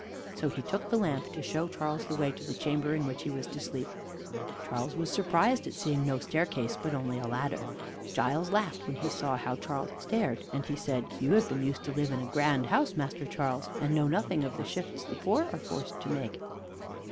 So he took the lamp to show Charles the way to the chamber in which he was to sleep. Charles was surprised at seeing no staircase, but only a ladder. Giles laughed when he saw how Charles stared, and he said: "You have been used to live in a grand house, Master Charles, and know nothing of the shifts the poor are forced to make."